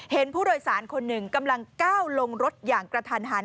เห็นผู้โดยสารคนหนึ่งกำลังก้าวลงรถอย่างกระทันหัน